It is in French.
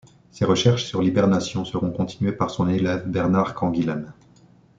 Ses recherches sur l'hibernation seront continuées par son élève Bernard Canguilhem.